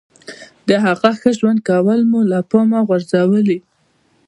د هغه ښه ژوند کول مو له پامه غورځولي.